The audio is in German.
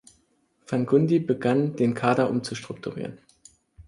Van Gundy begann, den Kader umzustrukturieren.